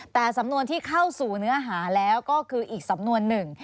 แต่สำนวนที่เข้าสู่เนื้อหาแล้วก็คืออีกสำนวนหนึ่ง